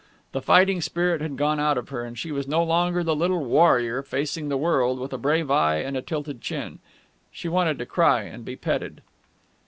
The fighting spirit had gone out of her, and she was no longer the little warrior facing the world with a brave eye and a tilted chin. She wanted to cry and be petted.